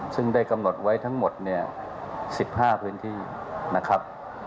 ซึ่งได้กำหนดไว้ทั้งหมดเนี่ย๑๕พื้นที่นะครับ